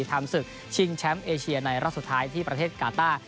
ทำศึกชิงแชมป์เอเชียในรอบสุดท้ายที่ประเทศกาต้า